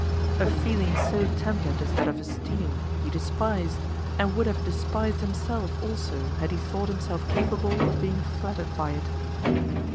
A feeling so tempered as that of esteem, he despised, and would have despised himself also had he thought himself capable of being flattered by it.